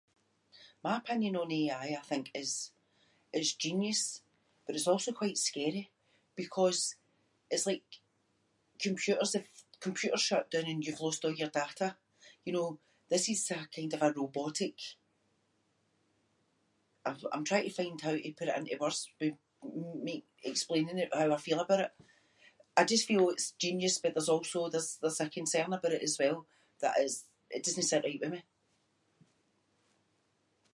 My opinion on AI I think is it’s genius but it’s also quite scary because it’s like computers- if computers shut doon and you’ve lost all your data, you know, this is a kind of a robotic- I- I’m trying to find how to put it into words with m-m-ake- explaining it, how I feel about it. I just feel it’s genius but there’s also- there’s- there’s a concern aboot it as well that is- it doesnae sit right with me.